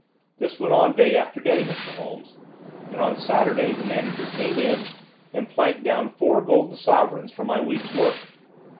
"This went on day after day, Mr. Holmes, and on Saturday the manager came in and planked down four golden sovereigns for my week's work.